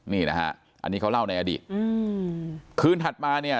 นี่นะฮะอันนี้เขาเล่าในอดีตอืมคืนถัดมาเนี่ย